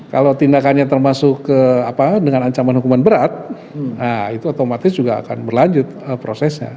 kalau tindakannya termasuk dengan ancaman hukuman berat nah itu otomatis juga akan berlanjut prosesnya